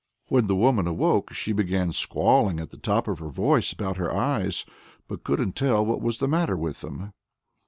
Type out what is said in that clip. When the woman awoke, she began squalling at the top of her voice about her eyes, but couldn't tell what was the matter with them.